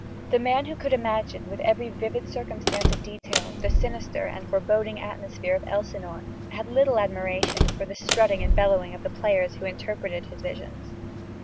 The man who could imagine, with every vivid circumstance of detail, the sinister and foreboding atmosphere of Elsinore, had little admiration for the "strutting and bellowing" of the players who interpreted his visions....